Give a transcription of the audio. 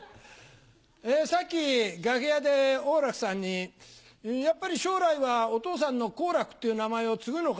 さっき楽屋で王楽さんに「やっぱり将来はお父さんの好楽っていう名前を継ぐのか？」